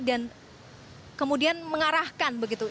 dan kemudian mengarahkan begitu